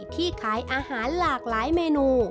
ที่ขายอาหารหลากหลายเมนู